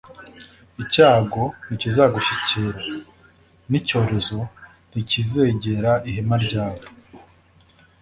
icyago ntikizagushyikira, n'icyorezo ntikizegera ihema ryawe